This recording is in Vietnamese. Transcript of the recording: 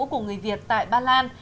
của người việt tại ba lan